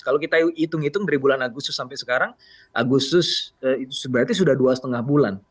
kalau kita hitung hitung dari bulan agustus sampai sekarang agustus itu berarti sudah dua lima bulan